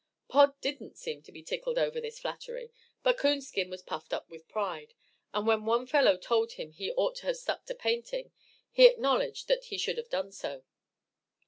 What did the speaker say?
Pod didn't seem to be tickled over this flattery, but Coonskin was puffed up with pride, and when one fellow told him he ought to have stuck to painting, he acknowledged that he should have done so.